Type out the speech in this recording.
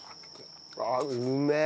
あっうめえ！